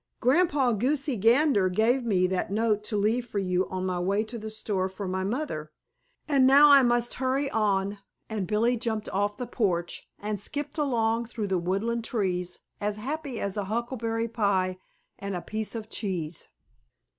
"Grandpa Goosey Gander gave me that note to leave for you on my way to the store for my mother. And now I must hurry on," and Billie jumped off the porch and skipped along through the Woodland trees as happy as a huckleberry pie and a piece of cheese.